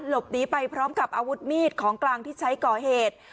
หลบหนีไปพร้อมกับอาวุธมีดของกลางที่ใช้ก่อเหตุ